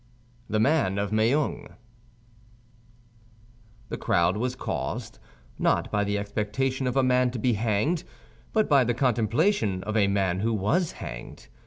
THE MAN OF MEUNG The crowd was caused, not by the expectation of a man to be hanged, but by the contemplation of a man who was hanged.